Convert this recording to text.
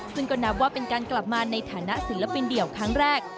ซึ่งก็นับว่าเป็นการกลับมาในฐานะศิลปินเดี่ยวครั้งแรก